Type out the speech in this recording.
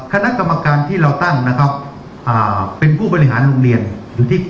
คณะกรรมการที่เราตั้งนะครับอ่าเป็นผู้บริหารโรงเรียนอยู่ที่